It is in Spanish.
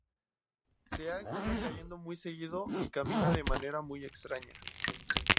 Se ha estado cayendo muy seguido y camina de manera muy extraña.